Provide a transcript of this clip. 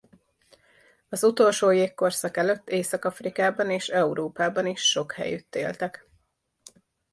Az utolsó jégkorszak előtt Észak-Afrikában és Európában is sok helyütt éltek.